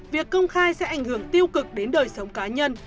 việc công khai sẽ ảnh hưởng tiêu cực đến đời sống cá nhân